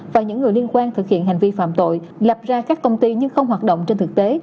và những người liên quan thực hiện hành vi phạm tội lập ra các công ty nhưng không hoạt động trên thực tế